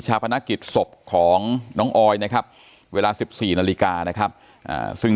พนักกิจศพของน้องออยนะครับเวลา๑๔นาฬิกานะครับซึ่ง